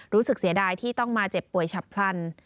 เสียดายที่ต้องมาเจ็บป่วยฉับพลัน